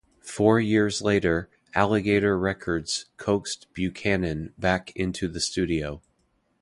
Four years later, Alligator Records coaxed Buchanan back into the studio.